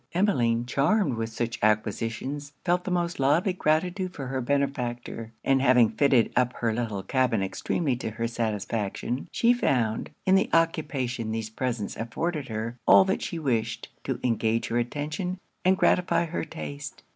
Emmeline, charmed with such acquisitions, felt the most lively gratitude for her benefactor; and having fitted up her little cabin extremely to her satisfaction; she found, in the occupation these presents afforded her, all that she wished, to engage her attention; and gratify her taste.